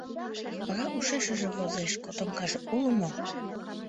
Вара ушешыже возеш: котомкаже уло мо?